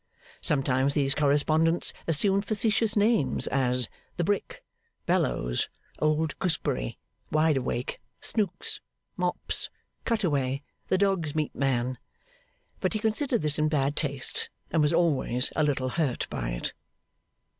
Sometimes these correspondents assumed facetious names, as the Brick, Bellows, Old Gooseberry, Wideawake, Snooks, Mops, Cutaway, the Dogs meat Man; but he considered this in bad taste, and was always a little hurt by it.